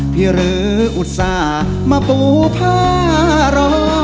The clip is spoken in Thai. พี่รืออุตส่าห์มาปู่พ่ารอ